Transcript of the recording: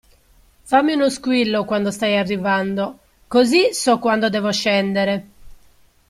Fammi uno squillo quando stai arrivando, così so quando devo scendere.